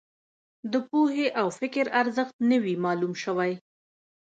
د پوهې او فکر ارزښت نه وي معلوم شوی.